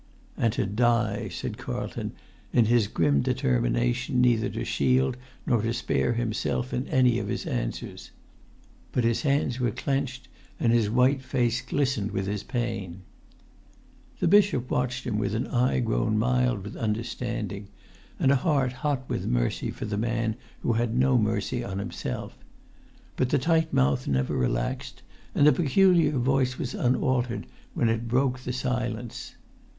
"And to die!" said Carlton, in his grim determination neither to shield nor to spare himself in any of his answers. But his hands were clenched, and his white face glistened with his pain. The bishop watched him with an eye grown mild with understanding, and a heart hot with mercy for the[Pg 70] man who had no mercy on himself. But the tight mouth never relaxed, and the peculiar voice was unaltered when it broke the silence.